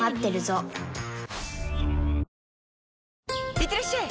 いってらっしゃい！